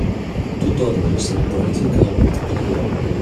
Two toddlers in a brightly colored play area.